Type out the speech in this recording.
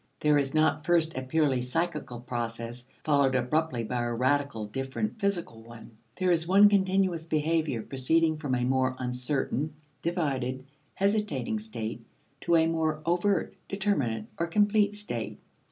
There is not first a purely psychical process, followed abruptly by a radically different physical one. There is one continuous behavior, proceeding from a more uncertain, divided, hesitating state to a more overt, determinate, or complete state.